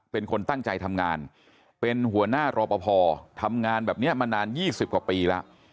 เป็นคนตั้งใจทำงานเป็นหัวหน้ารอปภทำงานแบบนี้มานาน๒๐กว่าปีแล้ว